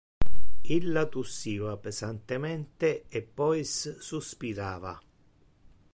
Illa tussiva pesantemente e pois suspirava.